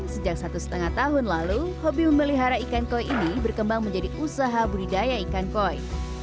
sejak satu setengah tahun lalu hobi memelihara ikan koi ini berkembang menjadi usaha budidaya ikan koi